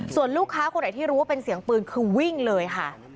ส่วนลูกค้าคนไหนที่รู้ว่าเป็นเสียงปืนคือวิ่งเลยค่ะ